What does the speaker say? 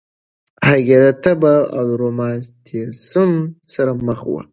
هغې د تبه او روماتیسم سره مخ وه.